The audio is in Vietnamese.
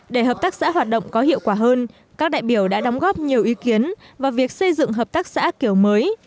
để hợp tác xã hoạt động có hiệu quả hơn các đại biểu đã đóng góp nhiều ý kiến vào việc xây dựng hợp tác xã kiểu mới